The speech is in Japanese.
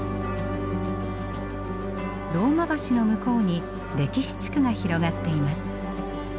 ローマ橋の向こうに歴史地区が広がっています。